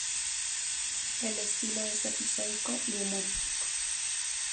El estilo es episódico y humorístico.